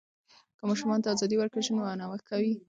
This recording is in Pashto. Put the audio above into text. که ماشوم ته ازادي ورکړل شي، هغه نوښت کوي.